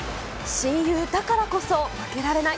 親友だからこそ負けられない！